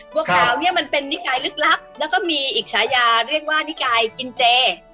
พวกเขาเนี่ยมันเป็นนิกายฤทธิ์ลึกลับแล้วก็มีอีกอย่างเรียกว่านิกายกินเจ